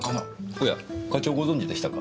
おや課長ご存じでしたか？